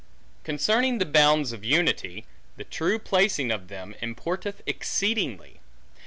Concerning the bounds of unity; the true placing of them, importeth exceedingly.